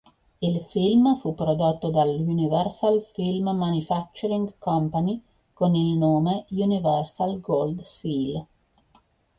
Il film fu prodotto dall'Universal Film Manufacturing Company con il nome Universal Gold Seal.